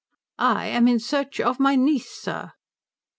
"I am in search of my niece, sir."